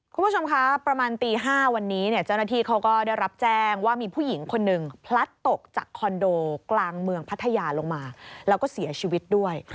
คุณผู้ชมคะประมาณตี๕วันนี้เนี่ยเจ้าหน้าที่เขาก็ได้รับแจ้งว่ามีผู้หญิงคนหนึ่งพลัดตกจากคอนโดกลางเมืองพัทยาลงมาแล้วก็เสียชีวิตด้วย